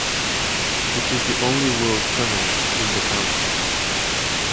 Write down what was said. It is the only road tunnel in the country.